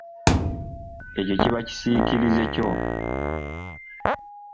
Ekyo kiba kisiikirize kyo.